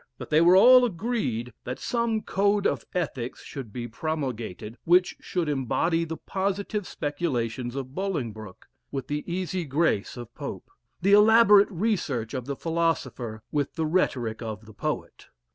But they were all agreed that some code of ethics should be promulgated, which should embody the positive speculations of Bolingbroke, with the easy grace of Pope the elaborate research of the philosopher with the rhetoric of the poet.